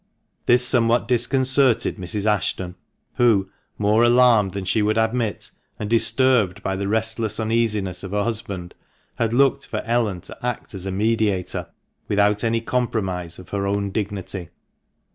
This somewhat disconcerted Mrs. Ashton, who, more alarmed than she would admit, and disturbed by the restless uneasiness of her husband, had looked for Ellen to act as a mediator without any compromise of her own dignity.